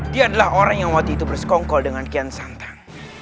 dia adalah orang yang waktu itu bersekongkol dengan kian santang